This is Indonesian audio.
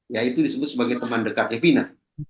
yaitu disebut sebagai teman dekatnya fina